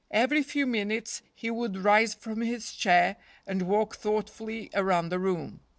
Every few minutes he would rise from his chair and walk thoughtfully around the room.